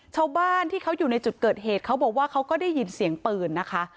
ชาวบ้านที่เขาอยู่ในจุดเกิดเหตุเขาบอกว่าเขาก็ได้ยินเสียงปืนนะคะ